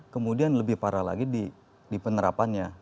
kemudian lebih parah lagi di penerapannya